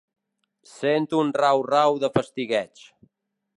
Sent un rau-rau de fastigueig.